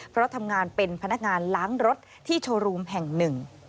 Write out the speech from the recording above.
เพราะทำงานเป็นพนักงานล้างรถที่โชว์รูมแห่งหนึ่ง